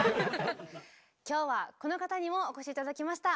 今日はこの方にもお越し頂きました。